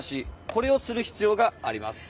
これをする必要があります。